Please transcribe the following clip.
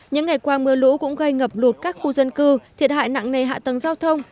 những ngày qua mưa lũ cũng gây ngập lụt các khu dân cư thiệt hại nặng nề hạ tầng giao thông